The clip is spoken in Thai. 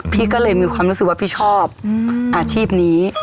พี่ก็เลยมีความรู้สึกว่าพี่ชอบอาชีพนี้